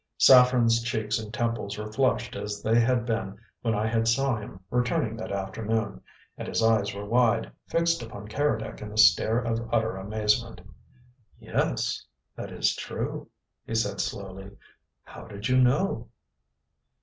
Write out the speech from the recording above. Saffren's cheeks and temples were flushed as they had been when I saw him returning that afternoon; and his eyes were wide, fixed upon Keredec in a stare of utter amazement. "Yes, that is true," he said slowly. "How did you know?"